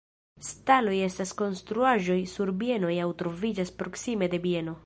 Staloj estas konstruaĵoj sur bieno aŭ troviĝas proksime de bieno.